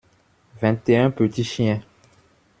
Vingt et un petits chiens.